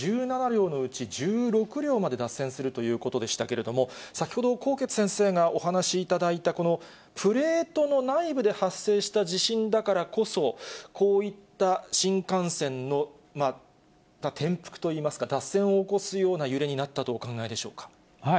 １７両のうち１６両まで脱線するということでしたけれども、先ほど纐纈先生がお話しいただいた、このプレートの内部で発生した地震だからこそ、こういった新幹線の転覆といいますか、脱線を起こすような揺れになったとお考えでしょうか？